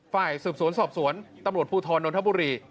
ฝ่ายสืบสวนสอบสวนตำรวจภูทรนนทบุรี